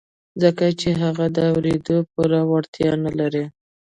ځکه چې هغه د اورېدو پوره وړتيا نه لري.